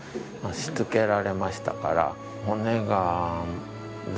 しつけられましたから。